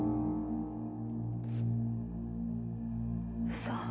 嘘？